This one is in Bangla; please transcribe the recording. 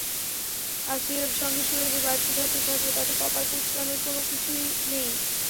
আথিয়ার সঙ্গে সুরাজের বাড়তি খাতির থাকলে তাতে কপাল কুঁচকানোর কিছুই নেই।